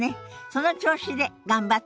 その調子で頑張って！